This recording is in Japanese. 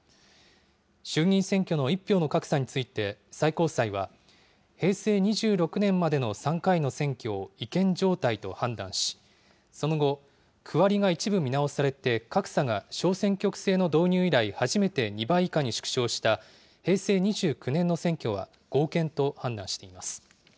衆議院選挙の１票の格差について、最高裁は、平成２６年までの３回の選挙を違憲状態と判断し、その後、区割りが一部見直されて、格差が小選挙区制の導入以来、初めて２倍以下に縮小した平成２９年の選挙は合憲と判断しています。